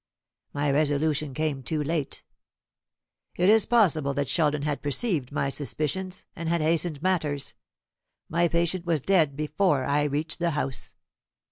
My resolution came too late. It is possible that Sheldon had perceived my suspicions, and had hastened matters. My patient was dead before I reached the house."